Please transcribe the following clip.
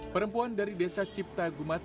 perempuan dari desa cipta gumati